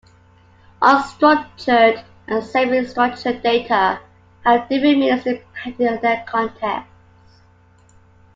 Unstructured and semi-structured data have different meanings depending on their context.